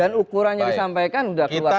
dan ukurannya disampaikan udah keluar konteks